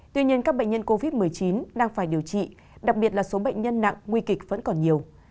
tuy nhiên các bệnh nhân covid một mươi chín đang phải điều trị đặc biệt là số bệnh nhân nặng nguy kịch vẫn còn nhiều